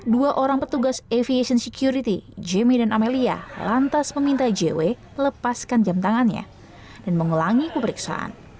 dua orang petugas aviation security jamie dan amelia lantas meminta jw lepaskan jam tangannya dan mengulangi pemeriksaan